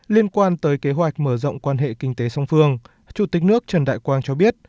liên quan tới kế hoạch mở rộng quan hệ kinh tế song phương chủ tịch nước trần đại quang cho biết